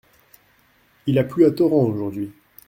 Il a plu à torrent aujourd’hui.